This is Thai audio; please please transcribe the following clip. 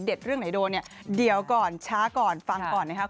เรื่องไหนโดนเนี่ยเดี๋ยวก่อนช้าก่อนฟังก่อนนะครับ